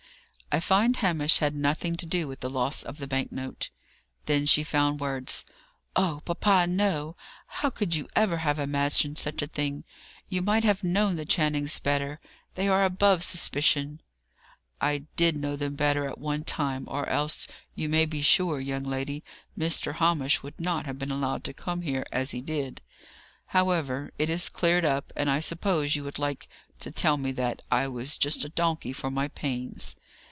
"I find Hamish had nothing to do with the loss of the bank note." Then she found words. "Oh, papa, no! How could you ever have imagined such a thing? You might have known the Channings better. They are above suspicion." "I did know them better at one time, or else you may be sure, young lady, Mr. Hamish would not have been allowed to come here as he did. However, it is cleared up; and I suppose you would like to tell me that I was just a donkey for my pains."